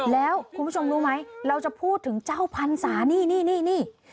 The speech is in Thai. แล้วคุณผู้ชมรู้ไหมเราจะพูดถึงเจ้าพรรษานี่นี่